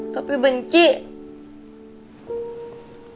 sopi benci sama atu